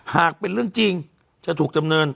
หากเป็นเรื่องจริงจะถูกจำเนิน